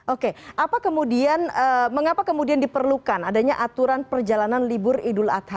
oke apa kemudian mengapa kemudian diperlukan adanya aturan perjalanan libur idul adha